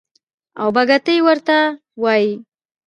او بګتۍ ورته وايي.